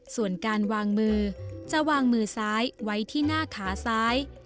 ส่วนการวางมือจะวางมือซ้ายไว้ที่หน้าขาซ้าย